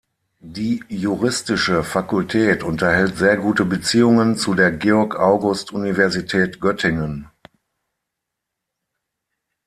Die juristische Fakultät unterhält sehr gute Beziehungen zu der Georg-August-Universität Göttingen.